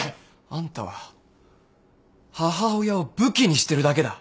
あんたは母親を武器にしてるだけだ。